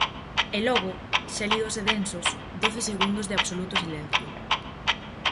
E logo, xélidos e densos, doce segundos de absoluto silencio.